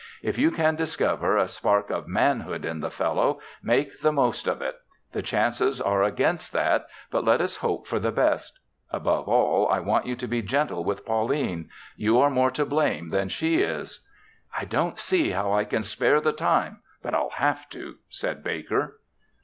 If you can discover a spark of manhood in the fellow, make the most of it. The chances are against that, but let us hope for the best. Above all, I want you to be gentle with Pauline. You are more to blame than she is." "I don't see how I can spare the time, but I'll have to," said Baker.